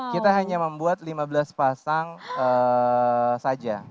kita hanya membuat lima belas pasang saja